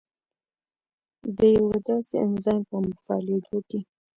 د یوه داسې انزایم په فعالېدو کې